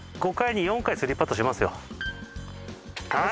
５回に４回３パットしますよ。